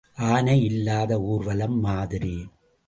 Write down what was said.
ஆனை இல்லாத ஊர்வலம் மாதிரி.